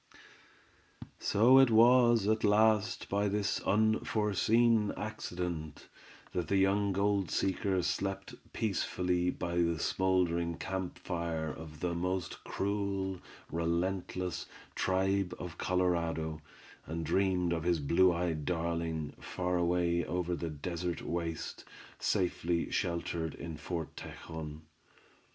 So it was at last by this unforeseen accident, that the young gold seeker slept peacefully by the smouldering camp fire of the most cruel, relentless, tribe of the Colorado, and dreamed of his blue eyed darling, far away over the desert waste, safely sheltered in Fort Tejon.